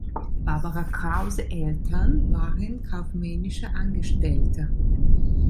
Barbara Krause Eltern waren kaufmännische Angestellte.